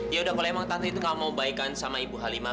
yaudah kalau emang tante itu gak mau baikan sama ibu halimah